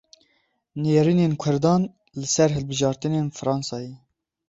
Nêrînên Kurdan li ser hilbijartinên Fransayê.